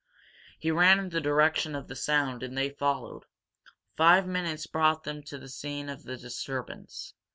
He ran in the direction of the sound, and they followed. Five minutes brought them to the scene of the disturbance.